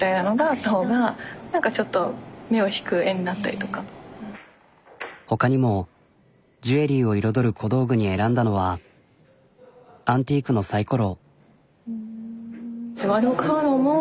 何か他にもジュエリーを彩る小道具に選んだのはアンティークのさいころ。